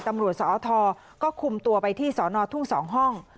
ตำรวจสอทก็คุมตัวไปที่สอนอทุ่ง๒ห้อง